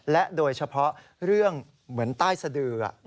และโดยเฉพาะเรื่องเหมือนใต้สะดือ